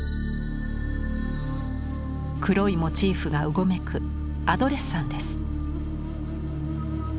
黒いモチーフがうごめく「アドレッサン」です。